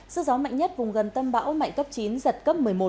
sức gió mạnh nhất vùng gần tâm bão mạnh cấp chín giật cấp một mươi một